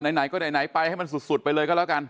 ไหนก็ไหนไปให้มันสุดไปเลยก็แล้วกัน